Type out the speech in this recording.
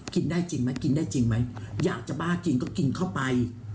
กินได้จริงไหมกินได้จริงไหมอยากจะบ้าจริงก็กินเข้าไป